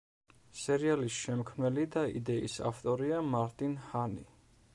სერიალის შემქმნელი და იდეის ავტორია მარტინ ჰანი.